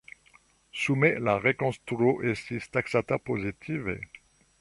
Sume la rekonstruo estas taksata pozitive.